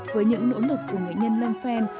với những nỗ lực của nghệ nhân lâm phen